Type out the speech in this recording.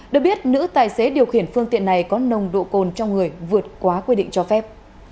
được biết nữ tài xế điều khiển phương tiện này có nồng độ cồn trong người vượt quá quy định cho phép